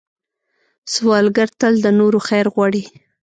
سوالګر تل د نورو خیر غواړي